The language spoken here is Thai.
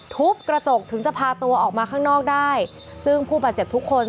ทุบกระจกถึงจะพาตัวออกมาข้างนอกได้ซึ่งผู้บาดเจ็บทุกคน